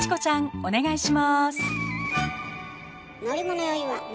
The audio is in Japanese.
お願いします。